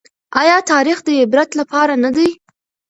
ايا تاريخ د عبرت لپاره نه دی؟